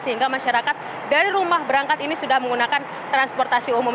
sehingga masyarakat dari rumah berangkat ini sudah menggunakan transportasi umum